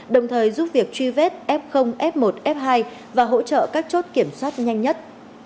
đồng thời giúp việc truy vết f f một f hai và hỗ trợ các chốt kiểm soát nhanh nhất